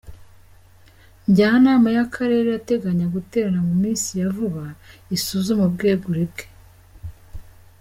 Njyanama y’Akarere irateganya guterana mu minsi ya vuba isuzume ubwegure bwe.